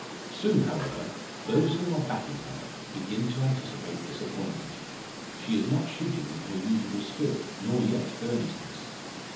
Soon, however, those who are backing her begin to anticipate disappointment. She is not shooting with her usual skill, nor yet earnestness.